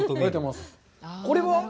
これは？